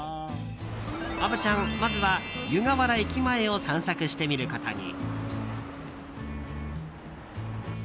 虻ちゃん、まずは湯河原駅前を散策してみることに。